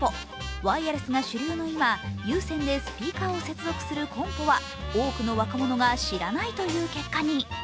ワイヤレスが主流の今、有線でスピーカーを接続するコンポは多くの若者が知らないという結果に。